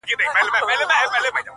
زوړ خر، نوې توبره.